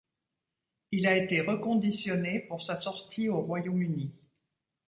Il a été reconditionné pour sa sortie au Royaume-Uni.